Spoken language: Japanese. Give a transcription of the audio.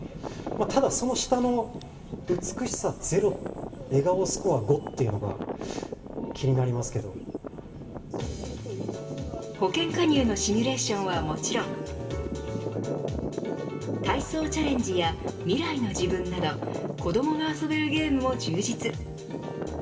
ただその下の美しさ０笑顔スコア５というのが保険加入のシミュレーションはもちろん体操チャレンジや未来のじぶんなど子どもが遊べるゲームも充実。